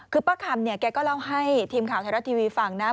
คือป้าคำเนี่ยแกก็เล่าให้ทีมข่าวไทยรัฐทีวีฟังนะ